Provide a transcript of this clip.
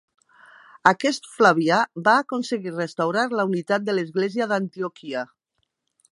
Aquest Flavià va aconseguir restaurar la unitat de l'església d'Antioquia.